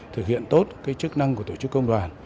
thực hiện tốt chức năng của tổ chức công đoàn